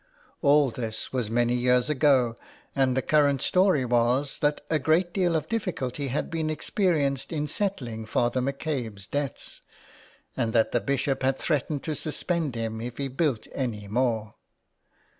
All this was many years ago, and the current story was that a great deal of difficulty had been experienced in settling Father McCabe's debts, and that the Bishop had threatened to suspend him if he built any more.